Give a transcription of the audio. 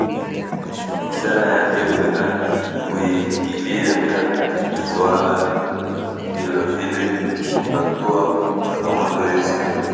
wizara ya afya kuingilia kati suala hilo ili kutatua changamoto hizo